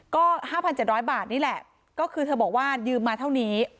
ก็ห้าพันเจ็ดร้อยบาทนี่แหละก็คือเธอบอกว่ายืมมาเท่านี้ครับ